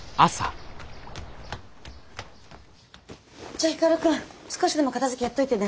じゃあ光くん少しでも片づけやっといてね。